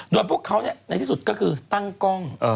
โดยพวกเขาในที่สุดก็คือตั้งกล้อง